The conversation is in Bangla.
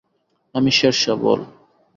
আমি শেরশাহ, বল।